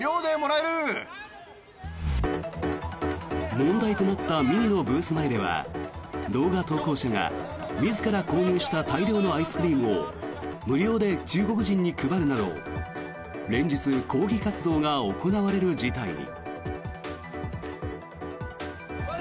問題となったＭＩＮＩのブース内では動画投稿者が自ら購入した大量のアイスクリームを無料で中国人に配るなど連日、抗議活動が行われる事態に。